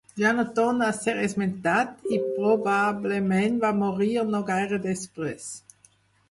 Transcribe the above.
Ja no torna a ser esmentat i probablement va morir no gaire després.